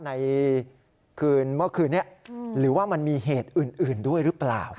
ในคืนเมื่อคืนนี้หรือว่ามันมีเหตุอื่นด้วยหรือเปล่า